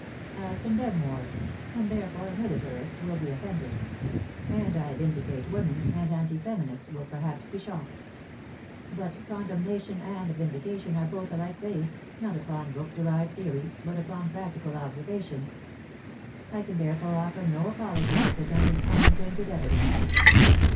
I condemn war — and therefore militarists will be offended. And I vindicate women, and anti feminists will perhaps be shocked. But con demnation and vindication are both alike based, not upon book derived theories, but upon practical observation. I can therefore offer no apology for presenting untainted evidence.